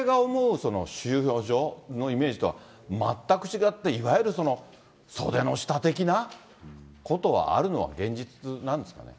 その収容所のイメージとは全く違って、いわゆる袖の下的なことはあるのは現実なんですかね。